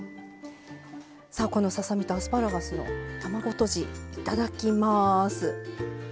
さあこのささ身とアスパラガスの卵とじいただきます。